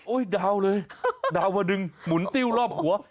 ดาวเลยดาวมาดึงหมุนติ้วรอบหัว